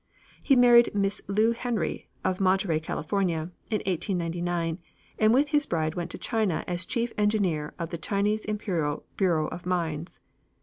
He married Miss Lou Henry, of Monterey, California, in 1899, and with his bride went to China as chief engineer of the Chinese Imperial Bureau of Mines.